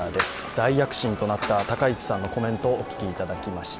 大躍進となった高市さんのコメントをお聞きいただきました。